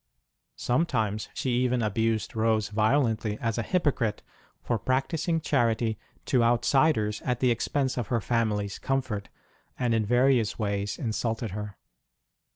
Some times she even abused Rose violently as a hypo crite, for practising charity to outsiders at the expense of her family s comfort, and in various ways insulted her.